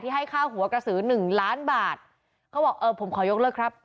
ให้ค่าหัวกระสือหนึ่งล้านบาทเขาบอกเออผมขอยกเลิกครับ